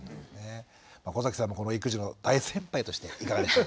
小崎さんも育児の大先輩としていかがでしょうか？